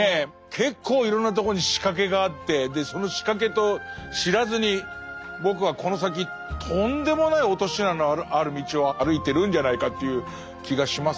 結構いろんなとこに仕掛けがあってその仕掛けと知らずに僕はこの先とんでもない落とし穴のある道を歩いてるんじゃないかという気がしますね。